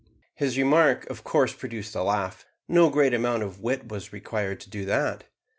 His remark of course produced a laugh. No great amount of wit was required to do that.